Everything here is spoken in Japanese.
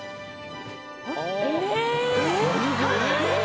え！